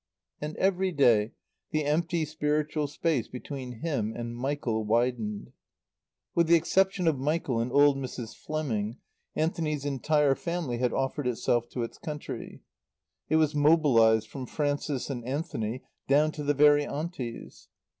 And every day the empty spiritual space between him and Michael widened. With the exception of Michael and old Mrs. Fleming, Anthony's entire family had offered itself to its country; it was mobilized from Frances and Anthony down to the very Aunties.